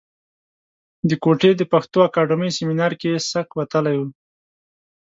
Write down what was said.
د کوټې د پښتو اکاډمۍ سیمنار کې یې سک وتلی و.